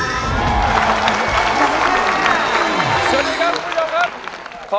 สวัสดีครับคุณผู้ชมครับ